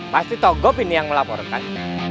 pasti togop ini yang melaporkan